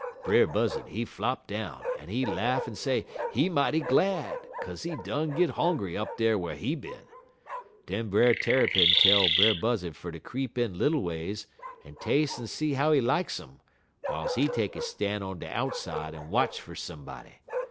"Brer Buzzud, he flop down, en he laugh en say he mighty glad, kaze he done git hongry up dar whar he bin. Den Brer Tarrypin tell Brer Buzzud fer ter creep in little ways en tas'e en see how he like um, w'iles he take his stan' on de outside en watch fer somebody.